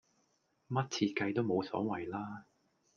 乜設計都無所謂啦